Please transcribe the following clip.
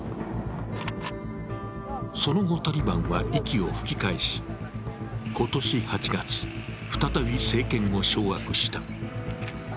その後、タリバンは息を吹き返し今年８月、再び政権を掌握した。